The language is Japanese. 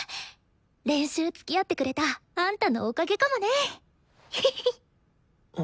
練習つきあってくれたあんたのおかげかもね！